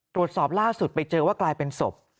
ตรวจสอบล่าสุดไปเจอว่ากลายเป็นศพ